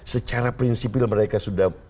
secara prinsipil mereka sudah